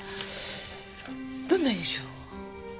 どんな印象を？